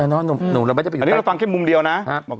อันนี้เราฟังแค่มุมเดียวนะ